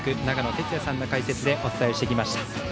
長野哲也さんの解説でお伝えしていきました。